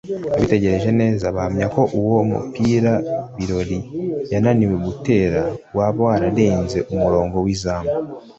Abitegereje neza bahamya ko uwo mupira Birori yananiwe gutera waba wararenze umurongo w’izamu